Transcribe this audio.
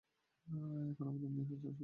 এখানে আমাদের নিয়ে আসার জন্য ধন্যবাদ।